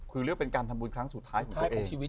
คือเรียกเป็นการทำบุญครั้งสุดท้ายของชีวิต